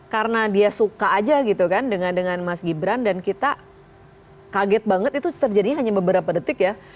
karena dia suka aja gitu kan dengan dengan mas gibran dan kita kaget banget itu terjadinya hanya beberapa detik ya